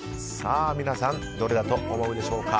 皆さん、どれだと思うでしょうか。